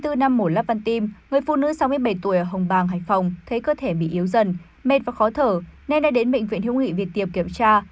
sau hai mươi bốn năm mổ lắp văn tim người phụ nữ sáu mươi bảy tuổi ở hồng bàng hải phòng thấy cơ thể bị yếu dần mệt và khó thở nên đã đến bệnh viện hữu nghị việt tiệp kiểm tra